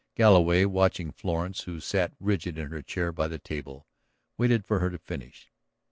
Galloway, watching Florence, who sat rigid in her chair by the table, waited for her to finish.